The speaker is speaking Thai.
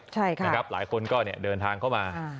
ใช่ค่ะนะครับหลายคนก็เดินทางเข้ามา